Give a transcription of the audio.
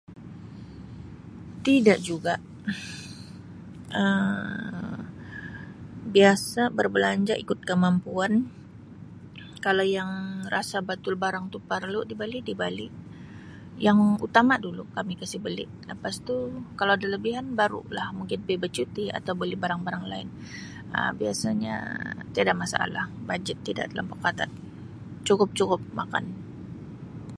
Tidak juga Um biasa berbelanja ikut kemampuan kalau yang rasa batul barang tu parlu di bali di bali yang utama dulu kami kasi beli lepastu kalau ada lebihan baru lah mungkin p bercuti atau beli barang-barang lain Um biasanya tiada masalah bajet tidak telampau katat cukup cukup makan.